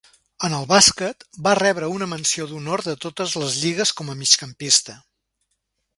En el bàsquet, va rebre una menció d'honor de totes les lligues com a migcampista.